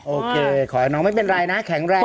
โอเคขอให้น้องไม่เป็นไรนะแข็งแรง